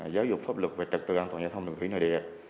giáo dục pháp luật về trật tự an toàn giao thông đường thủy nội địa